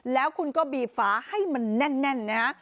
แล้วคุณก็บีบฝาให้มันแน่นนะฮะ